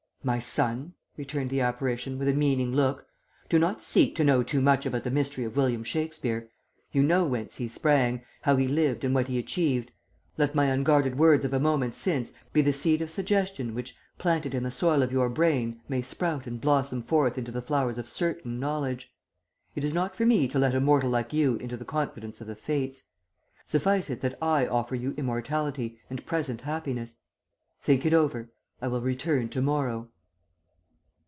"'My son,' returned the apparition, with a meaning look, 'do not seek to know too much about the mystery of William Shakespeare. You know whence he sprang, how he lived and what he achieved; let my unguarded words of a moment since be the seed of suggestion which planted in the soil of your brain may sprout and blossom forth into the flowers of certain knowledge. It is not for me to let a mortal like you into the confidence of the Fates; suffice it that I offer you immortality and present happiness. Think it over: I will return to morrow.'